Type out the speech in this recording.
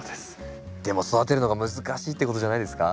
でも育てるのが難しいってことじゃないですか？